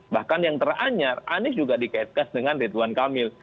bahkan yang teranyar anis juga dikaitkan dengan rituan kamil